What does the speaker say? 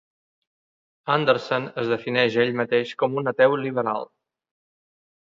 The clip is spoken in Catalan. Andersen es defineix a ell mateix com un "ateu liberal".